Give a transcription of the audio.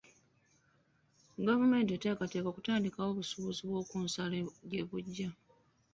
Gavumenti eteekateeka okutandikawo obusuubuzi bw'oku nsalo gye bujja.